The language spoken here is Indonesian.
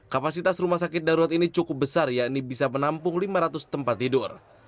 kapasitas rumah sakit darurat ini cukup besar yakni bisa menampung lima ratus tempat tidur